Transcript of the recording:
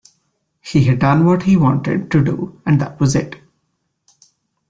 He had done what he wanted to do and that was it.